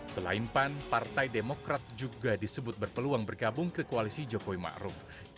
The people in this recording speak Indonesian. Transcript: selain pan partai demokrat juga disebut berpeluang bergabung ke koalisi jokowi ma'ruf